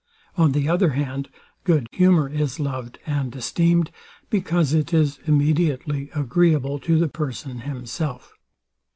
On the other hand, good humour is loved and esteemed, because it is immediately agreeable to the person himself.